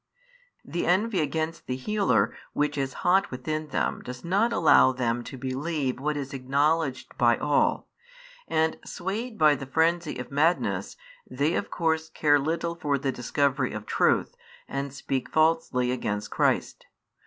The envy against the Healer which is hot within them does not allow them to believe what is acknowledged by all; and, swayed by the frenzy of madness, they of course care little for the discovery of truth, and speak falsely against Christ.